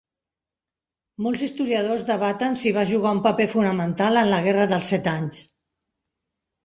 Molts historiadors debaten si va jugar un paper fonamental en la Guerra dels Set Anys.